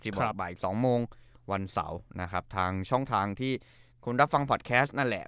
ที่บอกอ่าอีกสองโมงวันเสาร์นะครับทางช่องทางที่คุณรับฟังนั่นแหละ